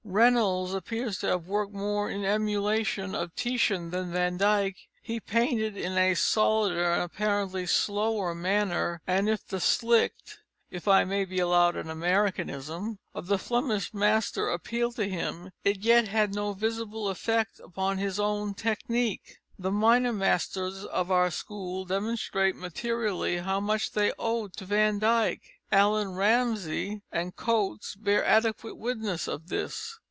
Reynolds appears to have worked more in emulation of Titian than Van Dyck. He painted in a solider and apparently slower manner, and if the slickness if I may be allowed an Americanism of the Flemish master appealed to him, it yet had no visible effect upon his own technique. The minor masters of our school demonstrate materially how much they owed to Van Dyck. Allan Ramsay and Cotes bear adequate witness of this.